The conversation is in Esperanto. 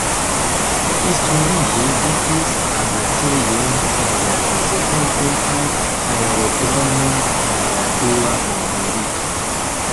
Historie estis abatejo en la Mezepoko kaj aerodromo en la Dua mondmilito.